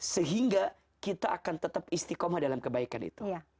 sehingga kita akan tetap istiqomah dalam kebaikan itu